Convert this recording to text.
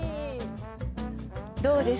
どうです？